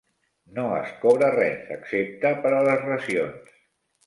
No es cobra res, excepte per a les racions.